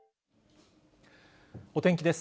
お天気です。